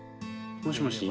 もしもし？